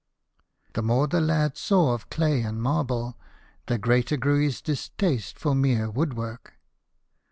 The more the lad saw of clay and marble, the greater grew his distaste for mere wood work.